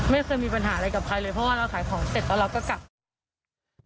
ไม่เคยมีปัญหาอะไรกับใครเลยเพราะว่าเราขายของเสร็จแล้วเราก็กลับ